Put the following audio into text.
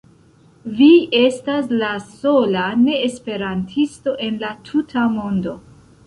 Vi estas la sola neesperantisto en la tuta mondo.